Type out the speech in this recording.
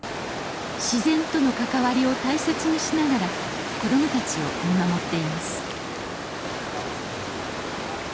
自然との関わりを大切にしながら子供たちを見守っています